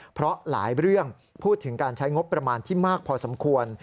เพราะหลายเรื่องพูดถึงการใช้งบประมาณที่มากพอสมควร